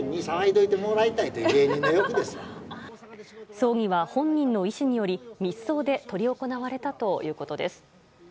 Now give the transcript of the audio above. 葬儀は本人の意思により密葬で執り行われたということです。